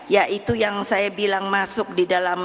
ya itu yang saya bilang masuk di dalam